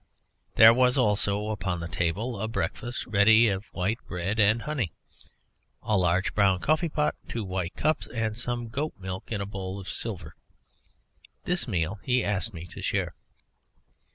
There was also upon the table a breakfast ready of white bread and honey, a large brown coffee pot, two white cups, and some goat's milk in a bowl of silver. This meal he asked me to share.